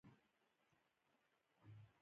آیا د پښتنو په کلتور کې د جهیز ورکول دود نه دی؟